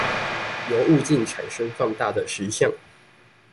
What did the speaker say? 由物鏡產生放大的實像